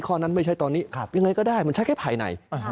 ข้อนั้นไม่ใช่ตอนนี้ยังไงก็ได้มันใช้แค่ภายใน